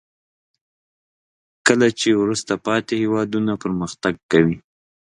کله چې وروسته پاتې هیوادونه پرمختګ کوي.